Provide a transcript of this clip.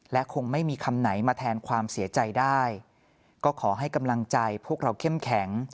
และคงไม่มีคำไหนมาแทนความเสียใจได้ก็ขอให้กำลังใจพวกเราเข้มแข็ง